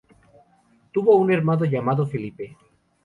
Tuvo un hermano llamado Felipe.